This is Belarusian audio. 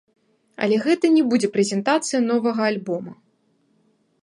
Але гэта не будзе прэзентацыя новага альбома.